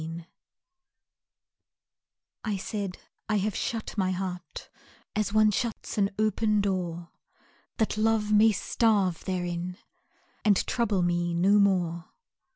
IV I said, "I have shut my heart As one shuts an open door, That Love may starve therein And trouble me no more."